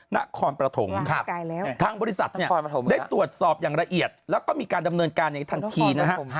นครประถงครับทางบริษัทได้ตรวจสอบอย่างละเอียดแล้วก็มีการดำเนินการอย่างทันทีนะครับ